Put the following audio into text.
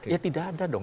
ya tidak ada dong